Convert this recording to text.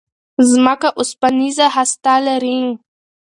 ځمکه اوسپنيزه هسته لري.